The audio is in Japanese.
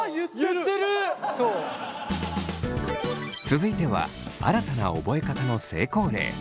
続いては新たな覚え方の成功例。